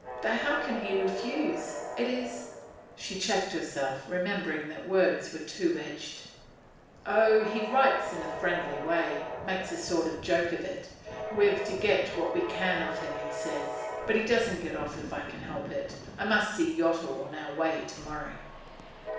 'But how can he refuse? It is ' She checked herself, remembering that words were two edged. 'Oh, he writes in quite a friendly way makes a sort of joke of it. We've to get what we can of him, he says. But he doesn't get off if I can help it. I must see Yottle on our way tomorrow.